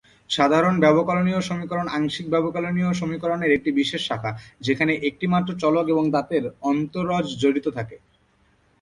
সাধারণ ব্যবকলনীয় সমীকরণ আংশিক ব্যবকলনীয় সমীকরণের একটি বিশেষ শাখা, যেখানে একটি মাত্র চলক এবং তাদের অন্তরজ জড়িত থাকে।